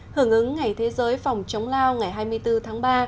hưởng ứng ngày thế giới phòng chống lao ngày hai mươi bốn tháng ba